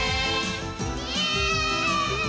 イエーイ！